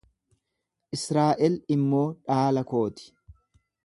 Israa'el immoo dhaala kooti.